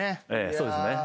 そうですね。